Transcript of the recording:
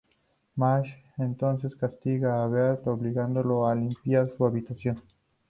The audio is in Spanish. Marge, entonces, castiga a Bart, obligándolo a limpiar su habitación.